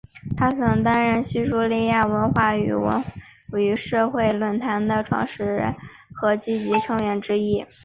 他曾担任叙利亚文化与社会论坛的创始人和积极成员之一。